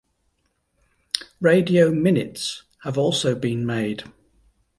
"Radio minutes" have also been made.